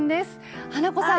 花子さん